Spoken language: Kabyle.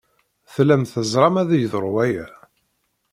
Tellam teẓram ad yeḍru waya!